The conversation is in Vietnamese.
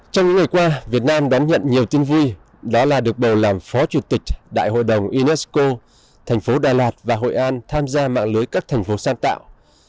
trong những ngày qua việt nam đón nhận nhiều tin vui đó là được bầu làm phó chủ tịch đại hội đồng unesco thành phố đà lạt và hội an tham gia mạng lưới các thành phố sáng tạo